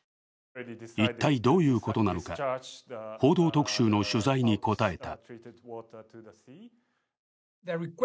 一体どういうことなのか、「報道特集」の取材に答えた。